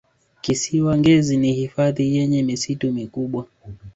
kisiwa ngezi ni hifadhi yenye misitu mikubwa